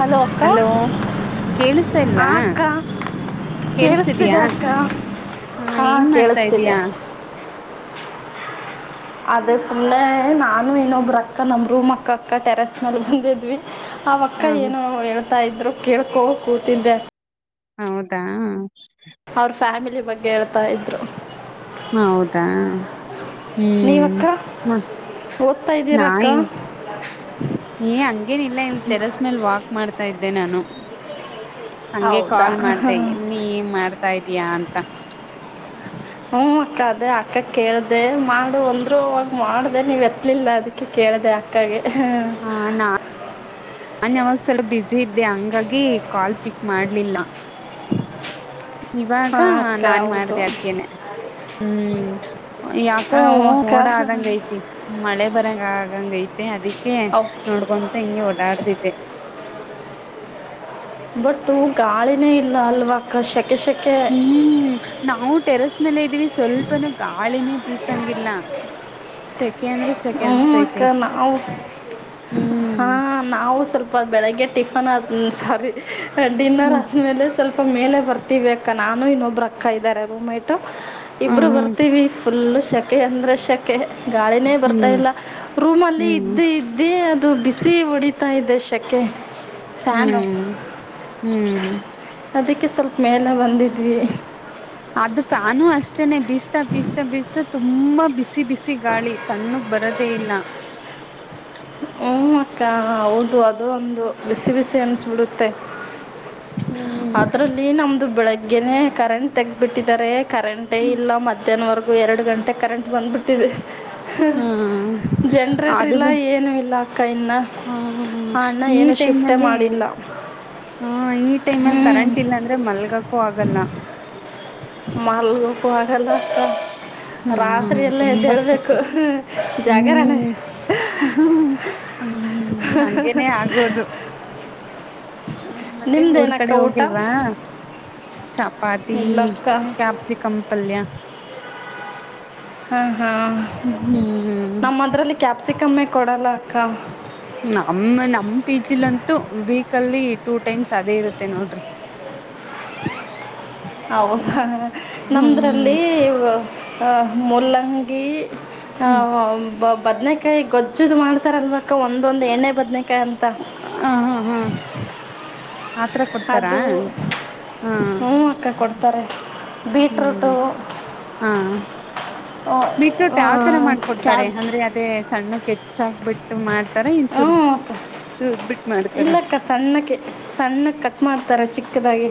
Hello ಅಕ್ಕಾ ಕೇಳಿಸ್ತಾ ಇಲ್ವಾ ಹಾಂ ಅಕ್ಕಾ. ಕೇಳಿಸ್ತಿದೆ ಕೇಳಿಸ್ತಿದಯಾ ಅಕ್ಕ ಹ ಹಾ ಏನ್ ಮಾಡ್ತಾ ಕೇಳಿಸ್ತಿದೆ. ಇದೀಯಾ ಅದೇ ಸುಮ್ನೆ ನಾನು ಇನ್ನೊಬ್ಬ್ರ ಅಕ್ಕ ನಮ್ ರೂಮ್ ಅಕ್ಕ ಟೆರೆಸ್ ಮೇಲೆ ಬಂದಿದ್ವಿ. ಆವಕ್ಕ ಹ ಹ ಏನು ಹೇಳ್ತಾ ಇದ್ರು ಕೇಳ್ಕೋ ಕೂತಿದ್ದೆ. ಹೌದಾ. ಅವ್ರ್ ಫ್ಯಾಮಿಲಿ ಬಗ್ಗೆ ಹೇಳ್ತಾ ಇದ್ರು. ಹೌದಾ ಹ್ಮ್ ನೀವಕ್ಕ ಮತ್ತ. ಓದ್ತಾ ಇದ್ದೀರಾಕ್ಕ. ಏ ಹಂಗೇನಿಲ್ಲ ಇಲ್ ಟೆರೇಸ್ ಮೇಲ್ ವಾಕ್ ಮಾಡ್ತಾ ಇದ್ದೆ ನಾನು. ಹಂಗೆ ಹೌದಾ ಕಾಲ್ ಮಾಡ್ದೆ ನೀ ಏನ್ ಮಾಡ್ತಾ ಇದಿಯಾ ಅಂತ. ಹ್ಮ ಅಕ್ಕ ಅದೇ ಅಕ್ಕ ಕೇಳ್ದೆ ಮಾಡು ಅಂದ್ರು ಅವಾಗ್ ಮಾಡ್ದೆ ನೀವ್ ಎತ್ಲಿಲ್ಲ ಅದಕ್ಕೆ ಕೇಳ್ದೆ. ದ ಆಕ್ಕಾಗ. ನನ್ ಯಾವಾಗ ಸ್ವಲ ಬಸಿ ಇದ್ದೆ ಹಂಗಾಗಿ ಕಾಲ್ ಪಿಕ್ ಮಾಡ್ಲಿಲ್ಲ. ಇವಾಗ ಹಾಂ ಅಕ್ಕ ನಾನ್ ಹೌದು ಮಾಡ್ದೆ ಅದ್ಕೇನೆ. ಹ್ಮ್ ಯಾಕೋ ಹ್ಞೂ ಅಕ್ಕ ಮೋಡ ಆದಂಗ ಐತಿ ಮಳೆ ಬರಂಗ ಐತೆ ಅದಿಕ್ಕೆ ಅವ್ ನೋಡ್ಕೊಂತ ಹಿಂಗೆ ಓಡಾಡ್ತಿದ್ದೆ. ಬಟ್ಟು ಗಾಳಿನೇ ಇ ಹ್ಮ್ ನಾವೂ ಟೆರೇಸ್ ಮೇಲೇ ಇದೀವಿ ಸ್ವಲ್ಪನೂ ಗಾಳಿನೇ ಬೀಸಂಗಿಲ್ಲ ಸ ಸಖೆ ಅಂದ್ರೆ ಸೆಖೆ ಹ್ಞೂ ಅಕ್ಕ ಅನ್ಸತೈತಿ ನಾವು ಹ್ಮ್. ಹಾಂ ನಾವು ಸ್ವಲ್ಪ ಬೆಳಗ್ಗೆ ಟಿಫನ್ ಆದ್ ಸಾರಿ ಡಿನ್ನರ್ ಹ್ಮ್ ಆದ್ಮೇಲೆ ಸ್ವಲ್ಪ ಮೇಲೆ ಬರ್ತೀವಿ ಅಕ್ಕ ನಾನು ಇನ್ನೊಬ್ರು ಅಕ್ಕ ಇದ್ದಾರೆ ರೂಮೇಟ್ ಇಬ್ರು ಹ್ಮ್ ಬರ್ತೀವಿ. ಫುಲ್ಲು ಸೆಖೆ ಅಂದ್ರೆ ಸೆಖೆ ಗಾಳಿನೇ ಬರ್ತ ಹ್ಮ್ ಇಲ್ಲ ರೂಮಲ್ಲಿ ಹ್ಮ್ ಇದ್ದಿ ಇದ್ದೀ ಅದು ಬಿಸಿ ಹೊಡಿತಾ ಇದೆ ಶೆಖೆ. ಹ್ಮ್ ಹ್ಮ್ ಅದಕ್ಕೆ ಸ್ವಲ್ಪ ಮೇಲೆ ಬಂದಿದ್ವಿ. ಅದು ಫ್ಯಾನು ಅಷ್ಟೇನೆ ಬಿಸ್ತಾ ಬೀಸ್ತಾ ಬೀಸ್ತಾ ತುಂಬಾ ಬಿಸಿ ಬಿಸಿ ಗಾಳಿ ತಣ್ಣಗ್ ಬರದೇ ಇಲ್ಲ. ಹ್ಮೂ ಅಕ್ಕ ಹೌದು ಅದೂಂದು ಬಿಸಿ ಬಿಸಿ ಅನ್ಸ್ಬಿಡುತ್ತೆ. ಹ್ಮ್ ಅದ್ರಲ್ಲಿ ನಮ್ದು ಬೆಳಗ್ಗೆ ಗೆೇನೇ ಕರೆಂಟ್ ತೆಗ್ಬಿಟ್ಟಿದ್ದಾರೆ ಕರೆಂಟೇ ಇಲ್ಲ ಮಧ್ಯಾಹ್ನವರೆಗೂ ಎರಡು ಗಂಟೆ ಕರೆಂಟ್ ಬಂದ್ಬಿಟ್ಟಿದೆ. ಹ್ಮ್ ಜನ್ರೇಟರ್ ಅದು ಇಲ್ಲ ಬೆ ಏ ಏನು ಇಲ್ಲ ಅಕ್ಕ ಇನ್ನ ಹ್ಮ ಹ್ಮ್ ಆ ಅಣ್ಣ ಈ ಏನು ಟೈಮ್ ಶಿಫ್ಟೇ ಅಲ್ಲಿ ಮಾಡಿಲ್ಲ. ಹಾ ಈ ಟೈಮ್ ಅಲ್ಲಿ ಹ್ಞೂ ಕರೆಂಟ್ ಇಲ್ಲ ಅಂದ್ರೆ ಮಲ್ಗಕೂ ಆಗಲ್ಲ. ಮಲ್ಗು ಆಗಲ್ಲಾ ಅಕ್ಕಾ. ರಾತ್ರಿ ಹ್ಮ್ ಎಲ್ಲ ತುಂಬಾ ಎದ್ದಳ್ಬೇಕು ಜಾಗರಣೆ. ಹ ಹ್ಮ್ ಹಂಗೇನೇ ಆಗೋದು. ಮತ್ತೆ ಊರ್ ನಿಮ್ದೇನಕ್ಕ ಕಡೆ ಊಟ ಹೋಗಿಲ್ವಾ ಚಪಾತಿ. ಇಲ್ಲ ಅಕ್ಕ ಕ್ಯಾಪ್ಸಿ ಕಮ್ಮ ಪಲ್ಯ. ಹಾ ಹಾ ಹ್ಮ್ ನಮ್ಮ ಅದರಲ್ಲಿ ಕ್ಯಾಪ್ಸಿಕಮ್ಮೇ ಕೊಡಲ್ಲ ಅಕ್ಕ. ನಮ್ಮ ನಮ್ ಪಿ ಜಿಲಂತೂ ವೀಕ್ಲ್ಲಿ ಟೂ ಟೈಮ್ಸ್ ಅದೇ ಇರುತ್ತೆ ನೋಡ್ರಿ. [inaudible] ಹೌದಾ ಹ್ಮ್ ನಮ್ದ್ರಲ್ಲಿ ಮುಲ್ಲಂಗಿ. ಹ ಹ್ಮ್ ಬದ್ನಕಾಯಿ ಗೊಜ್ಜದು ಮಾಡ್ತಾರಲ್ವ. ಅಕ್ಕ ಒಂದೊಂದ್ ಎಣ್ಣೆ ಬದ್ಬೇಕಾಯ ಅಂತ. ಹ ಹಾ ಹಾ ಆತರ ಕೊಡ್ತಾರಾ ಅದು ಹಾ ಹೂ ಅಕ್ಕ ಕೊಡ್ತಾರೆ. ಬೀಟ್ರೂಟು ಹ್ಮ್ ಹಾ. ಬಿಟ್ರೂಟ ಯಾವ ತರ ಮಾಡ್ಕೊಡ್ತಾರೆ ಕ್ಯಾಬ್ ಅಂದ್ರೆ ಅದೇ ಸನ್ ಸಣ್ಣಗ ಕೆಚ್ಚಾಕ್ ಬಿಟ್ಟು ಮಾಡ್ತಾರ ಇನ್ ಹ್ಞೂ ತುರ್ ಅಕ್ಕ ತರ್ಬಟ್ಟ. ಇಲ್ಲಕ್ಕ ಸಣ್ಣಕ್ಕೆ ಸಣ್ಣ ಕಟ್ ಮಾಡ್ತಾರ ಚಿಕ್ಕದಾಗಿ.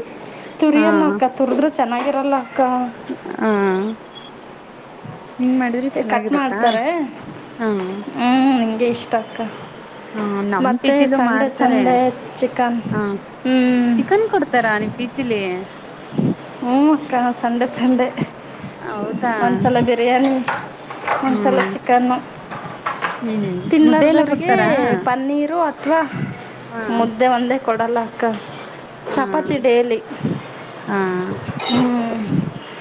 ಹಾ ತುರಿಯಲ್ಲ ಅಕ್ಕ ತುರ್ದ್ರೆ ಚೆನ್ನಾಗಿರಲ್ಲ ಅಕ್ಕ. ಹಂಗ ಮಾಡಿದ್ರಿ ಕಟ್ ಚೆನ್ನಾಗಿರತ್ತಾ ಮಾಡ್ತಾರೆ ಹ್ಮ. ಹ್ಞೂ ನನಗೆ ಇಷ್ಟ ಅಕ್ಕ ಹಾ ನಮ ಮತ್ತು ಪಿಜಿಲು ಸಂಡೆ ಮಾಡ್ತಾರೆ ಸಂಡೇ ಚಿಕನ್ ಹಾ. ಹ್ಞೂ ಚಿಕನ್ ಕೊಡ್ತಾರ ನೀವು ಪಿಚ್ಲಿ. ಹ್ಮ ಅಕ್ಕ ಸಂಡೆ ಸಂಡೆ. ಹೌದಾ ಒಂದ್ಸಲ ಬಿರಿಯಾನಿ ಒಂದ್ಸಲ ಹ್ಮ್ ಚಿಕನ್. ಹ್ಮ್ ಮುದ್ದೆ ಎಲ್ಲ ತಿನ್ಲಾರದವ್ರಿಗೆ ಕೊಡ್ತಾರಾ ಪನ್ನೀರು. ಅಥವಾ ಹಾ ಮುದ್ದೆ ಒಂದೇ ಕೊಡಲಕ್ಕ ಹಾ ಚಪಾತಿ ಡೇಲಿ. ಹಾ ಹ್ಮ್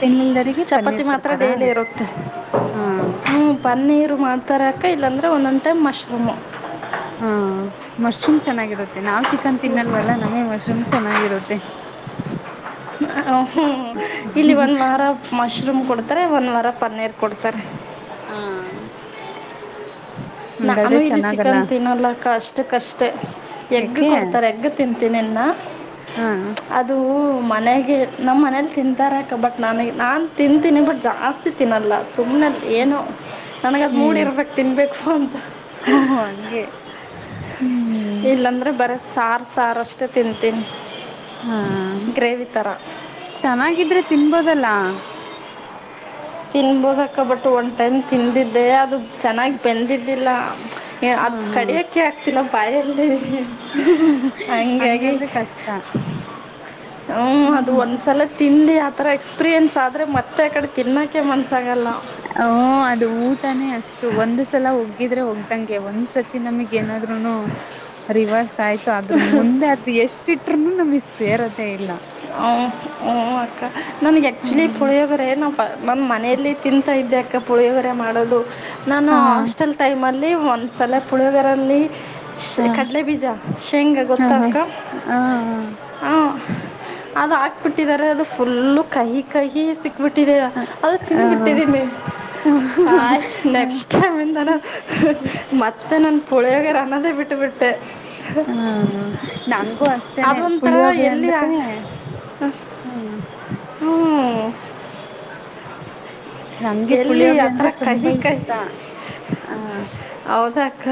ತಿನ್ಲಿಲ್ದರಿಗೆ ಚಪಾತಿ ಪನ್ನೀರ್ ಮಾತ್ರ ಕೊಡ್ತಾರಾ ಡೈಲಿ ಇರುತ್ತೆ. ಹಾ ಹ್ಞೂ ಪನ್ನೀರು ಮಾಡ್ತಾರಕ್ಕ ಇಲ್ಲಾಂದ್ರೆ ಒಂದೊಂದು ಟೈಮ್ ಮಶ್ರೂಮು. ಹ್ಮ್. ಹ ಮಶ್ರೂಮ್ ಚೆನ್ನಾಗಿರುತ್ತೆ ನಾವ್ ಚಿಕನ್ ತಿನ್ನಲ್ವಲ್ಲ ನಮಗೆ ಮಶ್ರೂಮ್ ಚೆನ್ನಾಗಿರುತ್ತೆ. ಇಲ್ಲಿ ಒಂದು ವಾರ ಮಶ್ರೂಮ್ ಕೊಡ್ತಾರೆ ಒಂದ ವಾರ ಪ ಪನ್ನೀರ್ ಕೊಡ್ತಾರೆ. ಹಾ. [inaudible] ನಾನು ಇಲ್ಲಿ ಚಿಕನ್ ತಿನ್ನಲ್ಲಕ್ಕ ಅಷ್ಟಕ್ಕಷ್ಟೇ ಎಗ್ ಯಾಕೆ ಕೊಡ್ತಾರೆ ಎಗ್ಗ ತಿಂತೀನಿ. ಹ ಅದು. ಮನೆಗೆ ನಮ್ಮ ಮನೇಲಿ ತಿಂತಾರೆ ಬಟ್ ನ ನಾನನ್ ತಿಂತೀನಿ ಬಟ್ ಜಾಸ್ ತಿನ್ನಲ್ಲ ಸುಮ್ನೆಲ್ಲಿ ಏನು ನನಗ ಅಲ್ಲಿ ಮೂಡಿ ಇರ್ಬೇಕು ತಿನ್ಬೇಕು ಅಂತ. ಹ ಹಂಗೆ ಹ್ಮ್. ಬರೆ ಸಾರು ಸಾರು ಅಷ್ಟೇ ತಿಂತೀನಿ. ಹಾ ಗ್ರೇವಿ ಥರ ಚೆನ್ನಾಗಿದ್ರೆ ತಿನ್ಬೋದಲ್ಲ. ತಿನ್ಬೋದಕ್ಕ ಬಟ್ ಒನ್ ಟೈಮ್ ತಿಂದಿದ್ದೆ ಅದು ಚೆನ್ನಾಗಿ ಬೆಂದಿದ್ದಿಲ್ಲ. ಅದ ಹ್ಮ್ ಹ್ಮ್ ಕಡಿಯಕೆ ಆಗ್ತಿಲ್ಲ ಬಾಯಲ್ಲಿ. ಹಂಗಾಗಿ. ಹಂಗಾದ್ರೆ ಕಷ್ಟ ಹ್ಮ್ ಅದು ಒಂದ್ಸಲ ತಿಂದ್ರೆ ಆತರ ಎಕ್ಸ್ಪೀರಿಯೆನ್ಸ್ ಆದ್ರೆ ಮತ್ತೆ ಆ ಕಡೆ ತಿನ್ ಹ ಅದು ಊಟನೇ ಅಷ್ಟು ಒಂದು ಸಲ ಒಗ್ಗಿದ್ರೆ ಒಗ್ ಂಗೆ ಒಂದ್ಸತಿ ನಮಗ್ ಏನಾದ್ರುನು ರಿವರ್ಸ್ ಆಯ್ತು ಅದ್ರ ಮುಂದೆ ಅದು ಎಷ್ಟು. ಇಟ್ಟ್ರುನು ನಮಗ್ ಸೇರೋದೇ ಇಲ್ಲ. ಹ್ ಹಓ ಅಕ್ಕ ನನ್ಗೆ ಆಕ್ಚುಲಿ ಹ್ಮ್ ಪುಳಿಯೋಗ್ರೆ ನಾ ನಮ್ಮ ಮನೆಯಲ್ಲಿ ತಿಂತಾ ಇದ್ದ್ಯಾಕ್ಕ ಪುಳಿಯಗೊರೆ ಮಾಡೋದು ನಾನು ಹಾ ಹಾಸ್ಟೆಲ್ ಟೈಮಲ್ ಒಂದ್ ಸತೋ ಪುಳಿಯೋಗರೆಲಿ ಹಾ ಕಡಲೆ ಬೀಜ ಶೇಂಗ ಹಾ ಗೊತ್ತಾಕ್ಕ ಹಾ ಹ ಅದು ಹಾಕ್ಬಿಟ್ಟಿದ್ದಾರೆ ಅದು ಫುಲ್ಲು ಕಹಿ ಕಹಿ ಸಿಕ್ ಬಿಟ್ಟಿದ್ದೇ ಹಾ ಅದು ತಿದ ಹಾ ಬಿಟ್ಟಿದೀನಿ ಆಯ್ತ್ ನೆಕ್ಸ್ಟ್ ಟೈಮ್ ಇಂದಾನ ಮತ್ತೆ ನನ್ ಪುಳಿಯೋಗ ಹನ್ನದ ಬಿಟ್ಟ ಬಿಟ್ಟ ಹಾ ನಂಗಗೂ ಅಷ್ಟೇನೆ ಅದೊಂಥರ ಪುಳಿಯೋಗ್ರ ಎಲ್ಲಿ ಅಂದ್ರೆ ಹ್ಮ ಹ್ಮ್ ನಂಗೆ ಎಲ್ಲಿ ಪುಳಿಯೋಗ್ರೆ ಆತ್ರ ಅಂದ್ರೆ ತುಂಬಾ ಕಹಿ ಕೈ ಇಷ್ಟ ಆ ಹೌದ ಅಕ್ಕ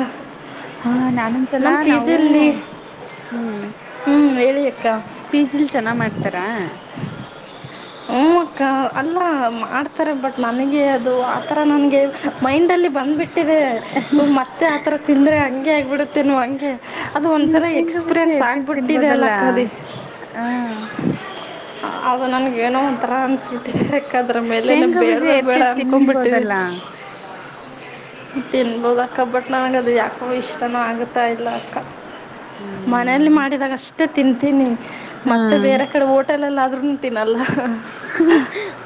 ಹಾ ನಾನಂದಸಲ ನಮ್ಮ ಪಿ ನಾವು ಜಿಯಲ್ಲಿ ಹ್ಮ್ ಹ್ಞೂ ಹೇಳಿ ಅಕ್ಕ ಪಿ ಜಿಲ್ ಚೆನ್ನ ಮಾಡ್ತಾರ ಹ್ಮ ಅಕ್ಕ ಅಲ್ಲ ಮಾಡ್ತಾರೆ ಬಟ್ ನನಗೆ ದು ಆತರ ನನ್ಗೆ ಮೈಂಡ್ ಅಲ್ಲಿ ಬಂದ್ಬಿಟ್ಟಿದೆ ಮತ್ತೆ ಆತರ ತಿಂದ್ರೆ ಹಂಗೆ ಆಗ್ಬ ಹಂಗೆ ಅದು ಒಂದ್ಸಲ ಶೇಂಗಾ ಬೀಜ ಎಕ್ಸ್ಪೀರಿಯನ್ಸ್ ಆಗ್ಬಿಟ್ಟಿದೆ ಅಲ್ಲ ಅಕ್ಕ ಕದಿ ಹಾ ಅದು ನನಗ ನೋ ಒಂಥರ ಅನಸ್ಬಿಟ್ಟಿದೆ ಯಾಕದ್ರ ಮೇಲೆನೆ ಶೇಂಗಾ ಬೇಡ ಬೀಜ ಬ ಬೇಡ ಎತ್ತಿಟ್ ಅನ್ಕೊಂಬಟ್ಟಿದೆ ತಿನ್ಬೋದಲ್ಲ ತಿನ್ಬೋದ ಅಕ್ಕಬಟ್ ನನಗ ಅದು ಯಾಕ ಇಷ್ಟನ ಆಗುತ್ತೆ ತ ಇಲ್ಲ ಅಕ್ಕ ಹ್ಮ್ ಮನಲಿ ಮಾಡಿದಾಗ ಅಷ್ಟೇ ತಿಂತೀನಿ ಮತ್ತೆ ಹ್ಮ್ ಬೇರೆ ಕಡೆ ಹೋಟೆಲ್ ಎಲ್ಲ ಆದರುನು ತಿನಲ್ಲ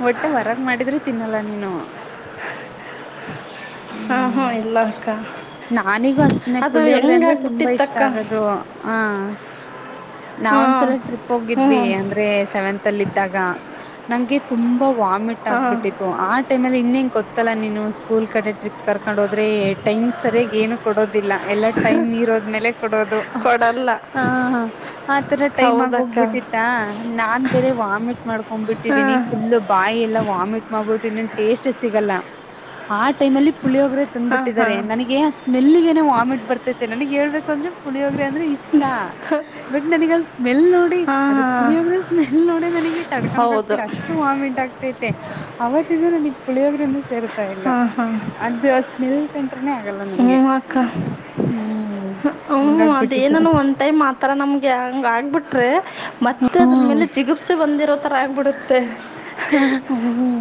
ಒಟ್ಟೆ ಹೊರಗ ಮಾಡಿದ್ರೆ ತಿನ್ನಲ್ಲ ನೀನು ಹಾ ಹಾ ಹ್ಮ್ ಇಲ್ಲಕ್ಕಾ ನಾನಿಗೂ ಅಷ್ಟನೆ ಪುಳ್ಳಿ ಹೋಗ್ರೆ ಅಂದ್ರೆ ತುಂಬಾ ಇಷ್ಟ ಆಗದು ಆ ನಾವ ಒಂದ್ಸಲ ಹಾಂ ಟ್ರಿಪ್ ಹ್ಞೂ ಹೋಗಿದ್ವಿ ಅಂದ್ರೆ ಸೆವೆಂತ್ ಅಲ್ಲಿ ಇದ್ದಾಗ ನಂಗೆ ತುಂಬಾ ವಾಮಿಟ್ ಹಾಂ ಆಗ್ಬಿಟ್ಟಿತ್ತು ಆ ಟೈಮಲ್ಲಿ ಇನ್ನ ಹೆಂಗ ಗೊತ್ತಲ್ಲ ನೀನು ಸ್ಕೂಲ್ ಕಡೆ ಟ್ರಿಪ್ ಕರ್ ನಡೋದ್ರೆ ಟೈಮಿಂಗ್ ಸರಿಯಾಗಿ ಏನು ಕೊಡೋದಿಲ್ಲ ಎಲ್ಲಾ ಟೈಮ್ ಇರೋದ್ಮೇಲೆ ಕೊಡೋದು ಕೊಡಲ್ಲ ಹ ಆತರ ಟೈಮ್ ಆಗಿ ಹೌದಕ್ಕ ಹೋಗ್ಬಿಟ್ಟಿತ್ತ ನಾನ್ ಬೇರೆ ವಾಮಿಟ್ ಮಾಡ್ಕೊಂಡ್ಬಿಟ್ಟಿದೀನಿ ನೀನ್ ಹಾಂ ಫುಲ್ಲು ಬಾಯಲ್ಲ ಆಮೇಲ್ ಮಾಡ್ ಬಿಟ್ಟು ಮಾಡಬಿ ಇನ್ನೊ ಸಿಗಲ್ಲ ಆಲ್ಲಿ ಪುಳಿಯ ಹೋಗ್ರೆ ತಂದ್ಬ ಹಾಂ ಬಿಟ್ಟಿದಿದ್ದಾರೆ ಹಾಂ ನನಗೆ ಸ್ಮೆಲ್ಗ ಏನ ವಾಮಿಟ್ ಬರ್ತೈತೆ ನನಗ್ ಹೇಳ್ಬೇಕು ಅಂದ್ರೆ ಪುಳಿಯೋಗ್ರೆ ಅಂದ್ರೆ ಇಷ್ಟ ಬಟ್ ನನಗ ಸ್ಮೆಲ್ ನೋಡಿ ಹಾಂ ಅದ್ರ ಹಾಂ ಪುಳಿಯೋಗ್ರೆ ಸ್ಮೆಲ್ ನೋಡ ನನಗೆ ತಡ್ಕಣಕ್ ಹೌದು ಆಗ್ತಿಲ್ಲ ಅಷ್ಟು ವಾಮಿಟ್ ಆಗ್ತೈತೆ ಅವತ್ತಿಂದ ನಾನಗ್ ಪುಳಿಯೋಗ್ರಿಂದ ಸೇರ್ ಹ್ಮ ಹಾ ಅದು ಸ್ಮೆಲ್ ಕಂತ ಹ್ಮ ಅಕ್ಕ ಹ್ಮ್ ಹ್ಮ ಹಂಗಾಗ್ಬಿಟ್ಟಿತ್ತು ಅದೇನಾನ ಒಂದ್ ಟೈಮ್ ಆತರ ನಮ್ಗೆ ಹಂಗ ಆಗ್ಬಿಟ್ರಿ ಮತ್ತೆ ಅದ್ರ ಹ್ಮ್ ಮೇಲೆ ಚಿಗುಪ್ಸೆ ಬಂದಿರೋ ತರ ಆಗ್ಬಿಡುತ್ತೆ ಹ್ಮ್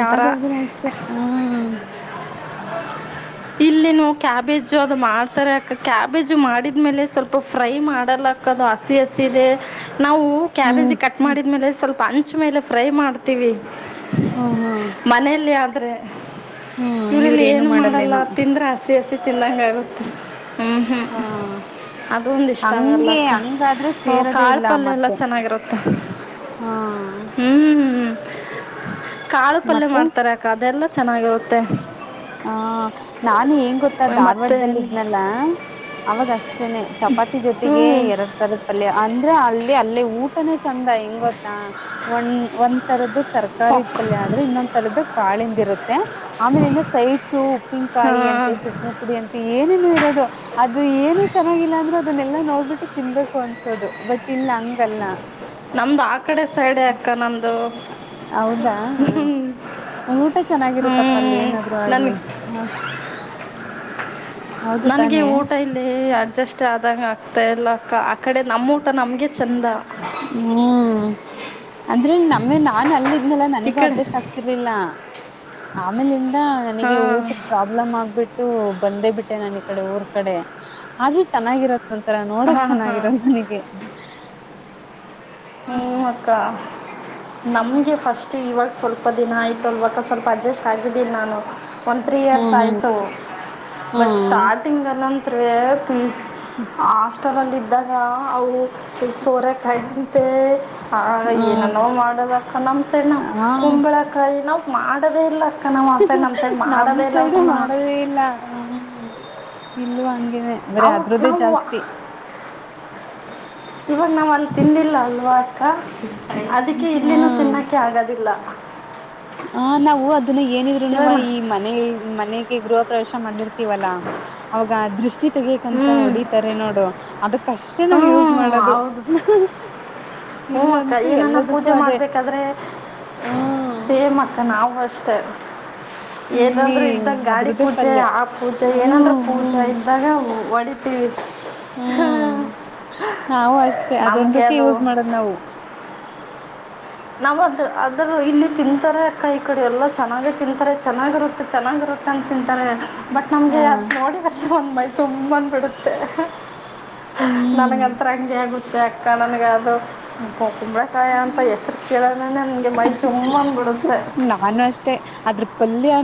ಯಾವ್ದಾದ್ರೂ ಅಷ್ಟೆ ಹ್ಮ ಇಲ್ಲಿನು ಕ್ಯಾಬೇಜ್ ಅದು ಮಾಡ್ತಾರೆ ಯಾಕ ಕ್ಯಾಬೇಜು ಮಾಡಿದ ಮೇಲೆ ಸ್ವಲ್ಪ ಫ್ರೈ ಮಾಡಲಾಕದು ಹಸಿ ಹಸ ಇಿದೆ ನಾವು ಹ್ಮ್ ಕ್ಯಾಬೇಜಿಗೆ ಕಟ್ ಹ್ಮ್ ಮಾಡಿದ ಮೇಲೆ ಸ್ವಲ್ಪ ಅಂಚು ಮೇಲೆ ಫ್ರೈ ಮಾಡ್ತೀವಿ ಹ್ಮ್ ಹ್ಮ್ ಮನೆಯಲ್ಲಿ ಆದ್ರೆ ಹ್ಮ್ ಇವ್ರಲ್ಲಿ ಇವ್ರೇನು ಏನು ಮಾಡಲ್ಲ ಮಾಡಲ್ಲೇನೋ ತಿಂದರೆ ಹಸಿ ಹಸಿ ತಿನ್ನಂಗ ಆಗುತ್ತೆ ಹ್ಮ್ ಹ್ಮ್ ಹಾ ಅದು ಒಂದ ಇಷ್ಟ ಹಂಗೆ ಆಗಲ್ಲಕ್ಕ ಹಂಗಾದ್ರೆ ಸೇರದೇ ಕಾಳ ಇಲ್ಲ ಪಲ್ಯ ಎಲ್ಲ ಮತ್ತೆ ಚೆನ್ನಾಗಿರತ್ತ ಹಾ ಹ್ಮ್ ಹ್ಮ್ ಕಾಳು ಪಲ್ಯ ಮತ್ತೆ ಮಾಡ್ತಾರಾರೆ ಅಕ್ಕ ಅದೆಲ್ಲ ಚೆನ್ನಾಗಿರುತ್ತೆ ಹ ನಾನು ಹೆಂಗ ಗೊತ್ತ ಮತ್ತು ಧಾರವಾಡ್ದಲ್ಲ ಇದ್ನೆಲ್ಲ ಅವಾಗಷ್ಟ ಅನೆ ಚಪಾತಿ ಹ್ಞೂ ಜೊತೆಗೆ ಎರಡ್ ತರದ ಪಲ್ಯ ಅಂದ್ರೆ ಅಲ್ಲಿ ಅಲ್ಲೇ ಊಟನೇ ಚಂದ ಹೆಂಗ ಗೊತ್ತಾ ಒ ಒಂದ್ ತರದ್ದು ತರ್ಕಾರಿ ಓಕ್ ಪಲ್ಯ ಆದ್ರೆ ಇನ್ನೊಂತರದ್ದು ಕಾಳಿಂದ್ ಇರುತ್ತೆ ಆಮೇಲಿಂದ. ಸು ಉಪ್ಪಿನಕಾಯಿ ಅಂತೆ ಹಾಂ ಚಟ್ನಿ ಪುಡಿ ಅಂತೆ ಏನೇನು ಇರೋದು ಅದು ಏನೇ ಚೆನ್ನಾಗಿಲ್ಲ ಅಂದ್ರರು. ದನ್ನೆಲ್ಲಾ ನೋಡ್ಬಿಟ್ಟು ತಿನ್ಬೇಕು ಅನ್ಸೋದು ಬಟ್ ಇಲ್ಲಿಂಗ. ನಮ್ದು ಆ ಕಡೆ ಸೈಡೆ ಅಕ್ಕ ನಮ್ದು. ಹೌದಾ ಹ ಹ್ಮ ಊಟ ಚೆನ್ನಾಗಿರುತ್ತಪ್ಪ ಅಲ್ಲಿ ಏನಾದ್ರು ನನಗೆ ಆಗ್ಲಿ. ಹೌದು ನನ್ಗೆ ತಾನೆ ಊಟ ಇಲ್ಲಿ ಅಡ್ಜಸ್ಟ್ ಆದಂಗ ಆಗ್ತಾ ಇಲ್ಲಕ್ಕ ಆ ಕಡೆ ನಮ್ಮ ಊಟ. ನಮ್ಗೆ ಚಂದ. ಹ್ಮ್ ಅಂದ್ರೆ ನಮ್ಮ ನಾನ ಅಲ್ಲಿದ್ದ ಇನ್ನಲ್ಲ ಈ ನನಗೂ ಕಡೆ ಅಡ್ಜಸ್ಟ್ ಆಗ್ತಿರ್ಲಿಲ್ಲ ಆಮೇಲ್ ನನಗೆ ಹಾಂ ಊಟದ ಪ್ರಾಬ್ಲಮ್ ಆಗ್ಬಿಟ್ಟು ಬಂದೇ ಬಿಟ್ಟೆ ನನ್ ಈ ಕಡೆ ಊರ್ ಕಡೆ ಆದ್ರೂ ಚೆನ್ನಾಗಿರ ಒಂಥರ ನೋಡಕ್ ಹಾಂ ಹಾಂ ಚೆನ್ನಾಗಿರೋದು ನನಗೆ. ಹ್ಮ ಅಕ್ಕಾ. ನಮ್ಗೆ ಫಸ್ಟ್ ಇವಾಗ ಸ್ವಲ್ಪ ದಿನ ಆಯ್ತು ಅಲ್ವಾಗ ಸ್ವಲ್ಪ ಅಡ್ಜಸ್ಟ್ ಆಗಿದ್ದೀನಿ ನಾನು. ಒಂದು ತ್ರೀ ಇಯರ್ಸ್ ಹ್ಮ್ ಹ್ಮ್ ಆಯಿತು ಬಟ್ ಹ್ಮ್ ಸ್ಟಾರ್ಟಿಂಗಲ್ಲಂದರೆ. ಆಸ್ಟೆಲ್ ಅಲ್ಲಿ ಇದ್ದಾನ ಅವು ಸೋರೆಕಾಯಂತೆ. ಆಗ ಹ್ಮ್ ಏನನೋ ಮಾಡೋದಕ ನಮ್ಮ ಸೈಡ್ ಹಾ ಕುಂಬಳಕಾಯಿ ನಾವು ಮಾಡೋದೇ ಇಲ್ಲ. ನಾವು ಆ ಸೈಡ್ ನಮ್ಮ ಸೈಡ್ ನಮ್ ಮಾಡೋದೇ ಇಲ್ಲ ಸೈಡು ಅವನ್ನ ಮಾಡದೇ ಇಲ್ಲ. ಇಲ್ಲು ಹಂಗೇನೆ ಬರೀ ಅವು ಅದ್ರ್ದೇ ನಾವು ಜಾಸ್ತಿ. ಇವಾಗ ನಾವ್ ಅಲ್ಲಿ ತಿಂದಿಲ್ಲ ಅಲ್ವಾಕ್ಕ. ಅದಕ್ಕೆ ಇಲ್ಲಿನೂ ತಿನ್ನೋಕ್ಕೆ ಆಗದಿಲ್ಲ. ಹ ನಾವು ಅದನ್ನ ಇವಾಗ ಏನಿದ್ರುನುವ ನಾ ಈ ಮನ ಮನೆ. ಗೃಹ ಪ್ರವೇಶ ಮಾಡಿರ್ತೀವಲ್ಲಾ ಅವಾಗ ದೃಷ್ಟಿ ತೆಗಕ್ಂತ ಹ್ಞೂ ಹೊಡಿತಾರೆ ನೋಡು ಅದಕ್ ಕಷ್ಟ ಹ್ಞೂ ನಾವವು ಯೂಸ್ ಮಾಡೋದು ಹೌದು ಹ್ಞೂ ಅಕ್ಕ ಇಲ್ಲಂತೂ ಏನನ್ನ ಎಲ್ಲದಕ್ಕೂ ಪೂಜೆ ಅದೇ. ಮಾಡಬೇಕಾದ್ರೆ ಹ್ಮ ನವು ಅಷ್ಟೇ. ಇಲ್ಲಿ ಏದಂದ್ರೂ ಇದ್ದಾಗ ಗಾಡಿ ಅದ್ರದ್ದೇ ಪೂಜೆ ಪಲ್ಯ ಆ ಪೂಜೆ ಏನಂದ್ರ ಹ್ಮ್ ಪೂಜೆ ಹ್ಮ್ ಇದ್ದಾಗ. ಒಡಿತಿವಿ. ಹ್ಮ್ ನಾವು ಅಷ್ಟೇ ನಮಗೆ ಅದೊಂದಕ್ಕೆ ಅದು ಯೂಸ್ ಮಾಡದ್ ನಾವು. ನಾವ್ದ ಅದ್ರ ಇಲ್ಲಿ ತಿಂತಾರೆ ಅಕ್ಕ ಈ ಕಡೆ ಎಲ್ಲ ಚೆನ್ನಾಗ ತಿಂತಾರೆ ಚೆನ್ನಾಗಿರುತ್ತೆ ಚೆನ್ನಾಗಿರುತ್ತೆ. ಅಂತ ತಿಂತಾರೆ ಬಟ್ ಹ ನಮ್ಗೆ ಅದ ನೋಡಿ ಬ ಒಂದ್ ಮೈ ತುಂಬಂದ ಬಿಡುತ್ತೆ. ಹ್ಮ್ ನನ್ಗಂತರ ಹಂಗೆ ಆಗುತ್ತೆ ಅಕ್ಕ ನನ್ಗ ಅದು. ಕುಂಬ್ಳಕಾಯಿ ಅಂತ ಹೆಸರು. ನನ್ಗೆ ಮೈ ಜುಮ್ಮ ಅನ್ಬಿಡುತ್ತೆ.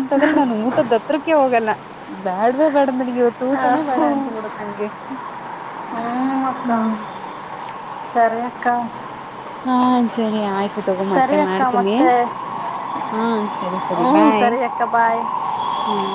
ಆದ್ರೆ ನಾನು ಊಟದ ದತ್ತಕ್ಕೆ ಹೋಗಲ್ಲ ಬ್ಯಾಡ್ವೇ ಬ್ಯಾಡ. ಇವತ್ತು ಊಟನೇ ಬೇಡ ಹ್ಞೂ ಅಂತಬಿಡುತ್ತ ನಂಗೆ ಹ್ಮ್. ಸರಿಕ್ಕಾ. ಹಾ ಸರಿ ಆಯ್ತು ತಗೊ ಮತ್ತೆ ಅಕ್ಕ ಮಾಡ್ತೀನಿ. ಮತ್ತೆ ಹಾ ಸರಿ ಸರಿ ಹ್ಞೂ ಬಾಯ್ ಸರಿ ಅಕ್ಕ ಬಾಯ್ ಹ್ಮ.